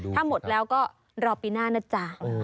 ถ้าหมดแล้วก็รอปีหน้านะจ๊ะ